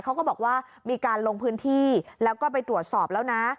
เขาก็บอกว่ามีการลงพื้นที่แล้วก็ไปตรวจสอบแล้วนะ